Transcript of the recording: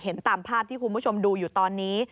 ตามภาพที่คุณผู้ชมดูอยู่ตอนนี้